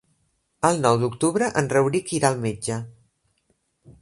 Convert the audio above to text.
El nou d'octubre en Rauric irà al metge.